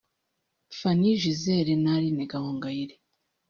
Phanny Gisele na Aline Gahongayire